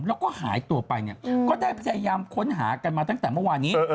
แล้วก็หายตัวไปเนี่ยก็ได้พยายามค้นหากันมาตั้งแต่เมื่อวานนี้